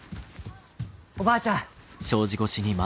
おばあちゃん！